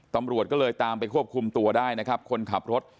ตำรวจก็เลยตามไปควบคุมตัวได้นะครับคนขับรถ